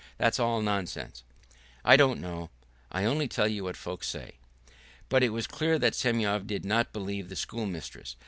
That's all nonsense." "I don't know,... I only tell you what folks say." But it was clear that Semyon did not believe the schoolmistress.